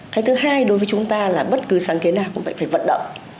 cái thứ hai đối với chúng ta là bất cứ sáng kiến nào cũng vậy phải vận động